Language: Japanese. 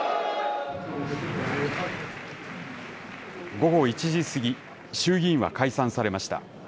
午後１時過ぎ、衆議院は解散されました。